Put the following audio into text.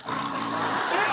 えっ？